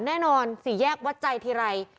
แน่นอน๔แยกวัดใจที่ไร